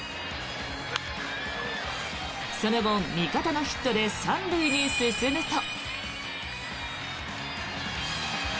その後、味方のヒットで３塁に進むと。